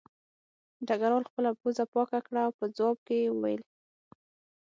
ډګروال خپله پوزه پاکه کړه او په ځواب کې یې وویل